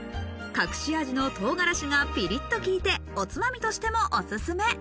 隠し味の唐辛子がピリッときいて、おつまみとしてもおすすめ。